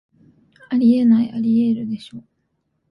あり得ない、アリエールでしょ